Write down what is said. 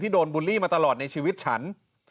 โดนบูลลี่มาตลอดในชีวิตฉัน